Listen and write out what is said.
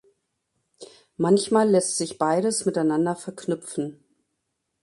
Manchmal lässt sich beides miteinander verknüpfen.